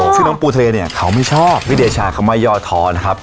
ซึ่งน้องปูทะเลเนี่ยเขาไม่ชอบพี่เดชาคำว่าย่อท้อนะครับ